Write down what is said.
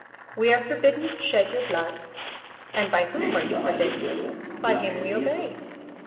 "We are forbidden to shed your blood." "And by whom are you forbidden?" "By him we obey."